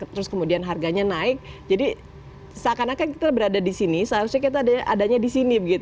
terus kemudian harganya naik jadi seakan akan kita berada di sini seharusnya kita adanya di sini